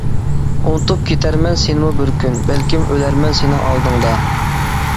ئۇنتۇپ كېتەرمەن سېنىمۇ بىر كۈن، بەلكىم ئۆلەرمەن سېنىڭ ئالدىڭدا.